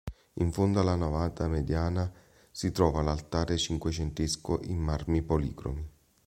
In fondo alla navata mediana, si trova l'altare cinquecentesco in marmi policromi.